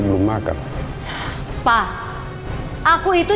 berkah hidup ini